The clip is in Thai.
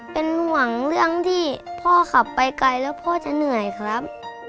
เป็นห่วงเรื่องที่พ่อขับไปไกลแล้วพ่อจะเหนื่อยครับ